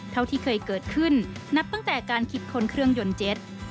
เท่าที่เคยเกิดขึ้นนับตั้งแต่การคิดค้นเครื่องยนต์เจ็ต